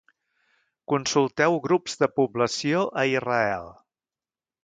Consulteu Grups de població a Israel.